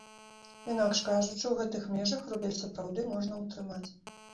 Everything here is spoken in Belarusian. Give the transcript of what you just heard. Інакш кажучы, у гэтых межах рубель сапраўды можна ўтрымаць.